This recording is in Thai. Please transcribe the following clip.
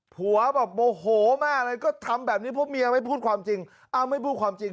ผัวแบบโมโหมากเลยก็ทำแบบนี้เพราะเมียไม่พูดความจริงอ้าวไม่พูดความจริง